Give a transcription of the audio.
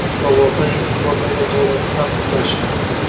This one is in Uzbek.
G`avvoslar etib bormagan joylarni ham axtarishdi